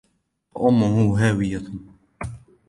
فأمه هاوية